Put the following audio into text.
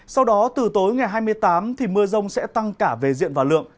sau đó từ tối ngày hai mươi tám thì mưa rông sẽ tăng cả về diện và lượng